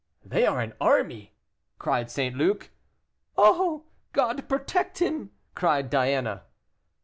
"They are an army," cried St. Luc. "Oh! God protect him!" cried Diana.